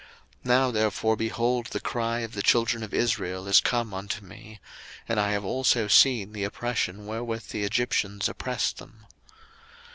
02:003:009 Now therefore, behold, the cry of the children of Israel is come unto me: and I have also seen the oppression wherewith the Egyptians oppress them.